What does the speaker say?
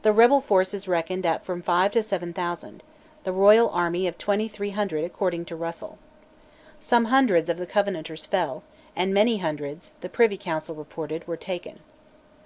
The rebel force is reckoned at from five to seven thousand, the Royal army was of 2300 according to Russel. "Some hundreds" of the Covenanters fell, and "many hundreds," the Privy Council reported, were taken.